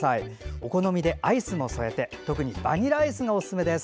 お好みでアイスも添えて特にバニラアイスがおすすめです。